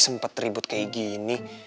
sempet ribut kayak gini